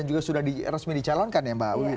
dan juga sudah resmi dicalonkan ya mbak